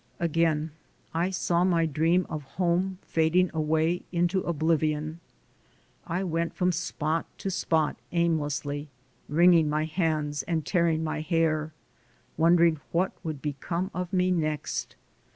Again I saw my dream of home fading away into oblivion. I went from spot to spot aimlessly, wringing my hands and tearing my hair, wondering what would become of me next.